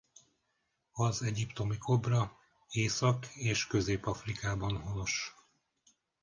Az egyiptomi kobra Észak- és Közép-Afrikában honos.